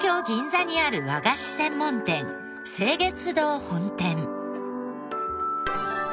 銀座にある和菓子専門店清月堂本店。